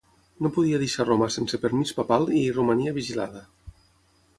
No podia deixar Roma sense permís papal i hi romania vigilada.